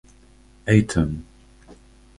Eyton.